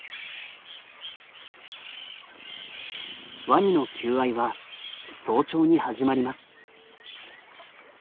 ワニの求愛は早朝に始まります。